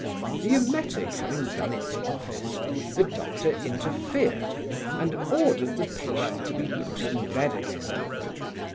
The emetic having done its office, the doctor interfered, and ordered the patient to be put in bed again.